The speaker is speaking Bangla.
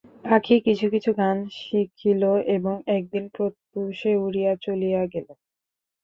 পাখি কিছু কিছু গান শিখিল এবং একদিন প্রত্যুষে উড়িয়া চলিয়া গেল।